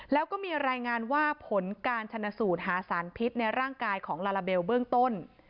แล้วก็มีรายงานว่าผลการชนสูตรหาสารพิษในร่างกายของลาลาเบลเบื้องต้น